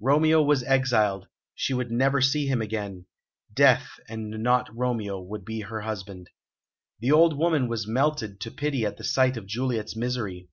Romeo was exiled, she would never see him again; death, and not Romeo, would be her husband. The old woman was melted to pity at the sight of Juliet's misery.